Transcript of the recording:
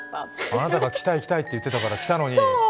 あなたが行きたい行きたいって言ってたから来たのに。